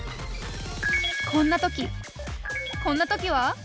こんな時こんな時は？